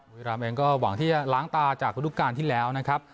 รามเองก็หวังที่จะล้างตาจากฤดูการที่แล้วนะครับ